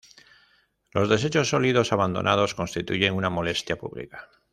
Los desechos sólidos abandonados constituyen una molestia pública.